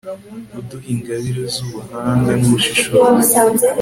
uduha ingabire z'ubuhanga n'ushishozi